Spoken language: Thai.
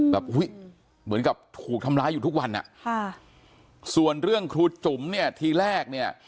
อุ้ยเหมือนกับถูกทำร้ายอยู่ทุกวันอ่ะค่ะส่วนเรื่องครูจุ๋มเนี่ยทีแรกเนี่ย